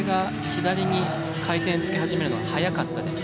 左に回転つけ始めるのが早かったです。